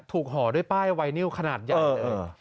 ถูกห่อด้วยป้ายวายนิ่วขนาดเออเออ